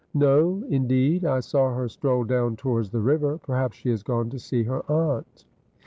'No, indeed. I saw her stroll down towards the river. Perhaps she has gone to see her aunt.'